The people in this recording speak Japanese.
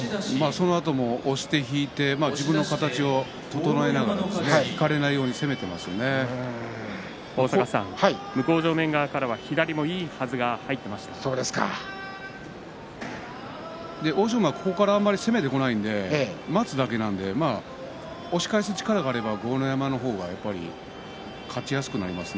そのあとも押して引いて自分の形を整えながら向正面側から欧勝馬はあまり攻めてこないので、待つだけなので押し返す力があれば豪ノ山の方が勝ちやすくなります。